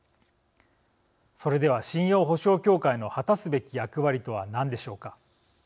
それでは信用保証協会の果たすべき役割とは何でしょうか。